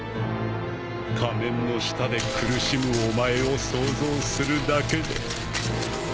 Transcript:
仮面の下で苦しむお前を想像するだけで。